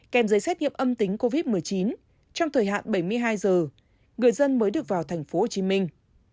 kèm giấy xét nghiệm âm tính covid một mươi chín trong thời hạn bảy mươi hai giờ người dân mới được vào thành phố hồ chí minh